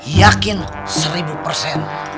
yakin seribu persen